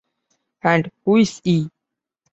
And who is he?